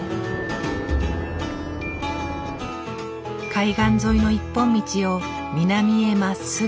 海岸沿いの一本道を南へまっすぐ。